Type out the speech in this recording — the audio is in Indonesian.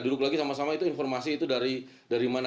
duduk lagi sama sama itu informasi itu dari mana